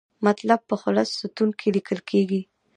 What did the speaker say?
مطلب په خلص ستون کې لیکل کیږي.